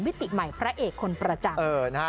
วิติใหม่พระเอกคนประจำเออนะฮะ